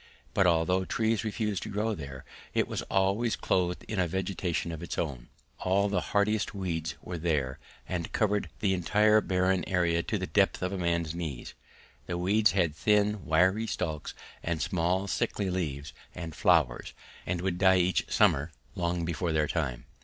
But although trees refused to grow there it was always clothed in a vegetation of its own; all the hardiest weeds were there, and covered the entire barren area to the depth of a man's knees. These weeds had thin wiry stalks and small sickly leaves and flowers, and would die each summer long before their time.